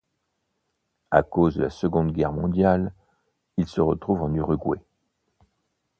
À cause de la Seconde Guerre mondiale, il se retrouve en Uruguay.